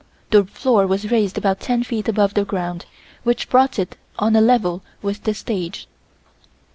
The floor was raised about ten feet above the ground, which brought it on a level with the stage.